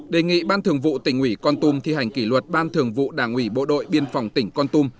bốn đề nghị ban thường vụ tp hcm thi hành kỷ luật ban thường vụ đảng ủy bộ đội biên phòng tỉnh con tum